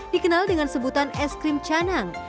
dikenal dengan sebutan es krim canang